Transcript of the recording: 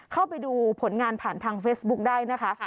เข้าไปดูผลงานผ่านทางเฟซบุ๊คได้นะคะ